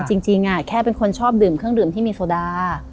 จริงแค่เป็นคนชอบดื่มเครื่องดื่มที่มีโซดา